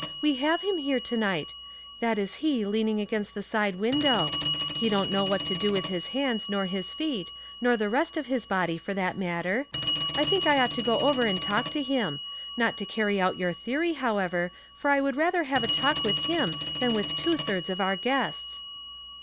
" We have him here to night ; that is he leaning against the side window. He don't know what to do with his hands nor his feet, nor the rest of hia body, for that matter. I think I ought to go over and talk to him — not to carry out your theory, however, for I would rather have a talk with him than with two thirds of our guests."